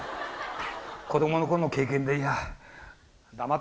子供のころの経験でいや黙っ